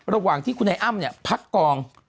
ระหว่างที่คุณไอ้อ้ำเนี่ยพักกอง